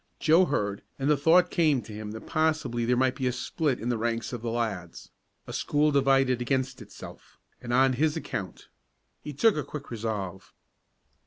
Joe heard, and the thought came to him that possibly there might be a split in the ranks of the lads a school divided against itself, and on his account. He took a quick resolve.